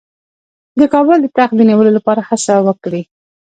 د کابل د تخت د نیولو لپاره هڅه وکړي.